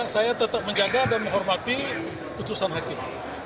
saya tetap menjaga dan menghormati putusan hakim